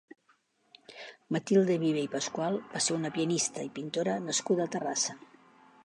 Matilde Viver i Pasqual va ser una pianista i pintora nascuda a Terrassa.